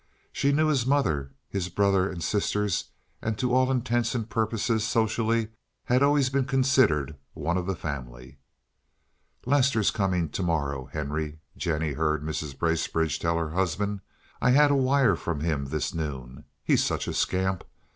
She knew his mother, his brother and sisters and to all intents and purposes socially had always been considered one of the family. "Lester's coming to morrow, Henry," Jennie heard Mrs. Bracebridge tell her husband. "I had a wire from him this noon. He's such a scamp.